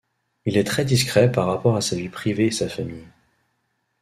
Il est très discret par rapport à sa vie privée et sa famille.